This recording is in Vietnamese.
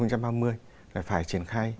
rồi phải triển khai